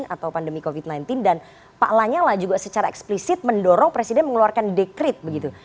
atau pandemi covid sembilan belas dan pak lanyala juga secara eksplisit mendorong presiden mengeluarkan dekret begitu